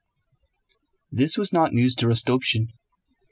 This was not news to Rostopchín.